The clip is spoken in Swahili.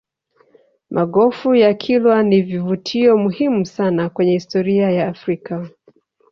magofu ya kilwa ni vivutio muhimu sana kwenye historia ya africa